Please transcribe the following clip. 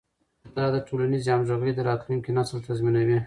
دا د ټولنیزې همغږۍ د راتلونکي نسل تضمینوي.